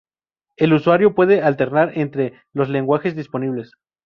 El usuario puede alternar entre los lenguajes disponibles.